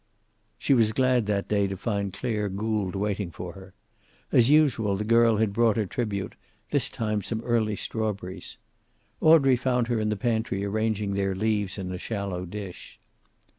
She was glad that day to find Clare Gould waiting for her. As usual, the girl had brought her tribute, this time some early strawberries. Audrey found her in the pantry arranging their leaves in a shallow dish.